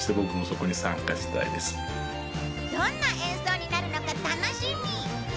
どんな演奏になるのか楽しみ！